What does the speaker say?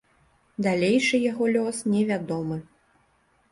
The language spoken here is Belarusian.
Далейшы яго лёс не вядомы.